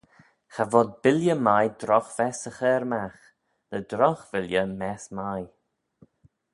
Cha vod billey mie drogh vess y chur magh: ny drogh villey mess mie.